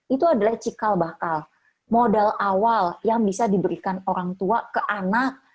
itu adalah cikal bakal modal awal yang bisa diberikan orang tua ke anak